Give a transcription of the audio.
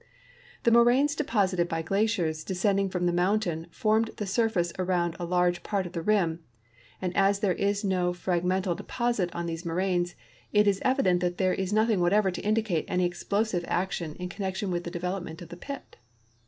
The 46 CRATER LAKE, OREGON moraines deposited by glaciers descending from the mountain formed the surface around a large part of the rim, and as there is no fragmental deposit on these moraines it is evident that there is nothing whatever to indicate an}' explosive action in connection with the development of the pit.